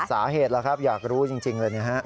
สาเหตุหรือครับอยากรู้จริงเลยนะครับ